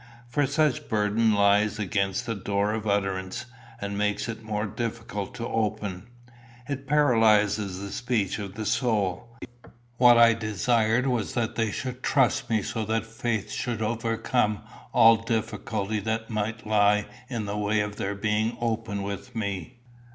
For such burden lies against the door of utterance, and makes it the more difficult to open. It paralyses the speech of the soul. What I desired was that they should trust me so that faith should overcome all difficulty that might lie in the way of their being open with me.